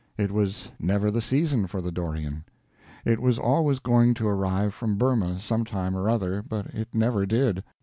It was never the season for the dorian. It was always going to arrive from Burma sometime or other, but it never did.